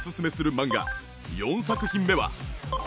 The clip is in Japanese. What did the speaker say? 漫画４作品目は。